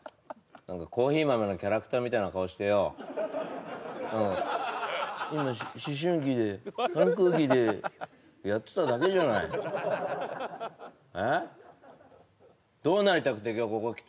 コーヒー豆のキャラクターみたいな顔してよ「今思春期で反抗期で」やってただけじゃないえっどうなりたくて今日ここ来たんだよ